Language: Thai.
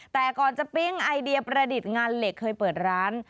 แต่ก่อนจะปิ๊งไอเดียประดิษฐ์งานเหล็กเคยเปิดร้าน